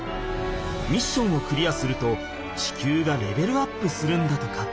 ミッションをクリアすると地球がレベルアップするんだとか。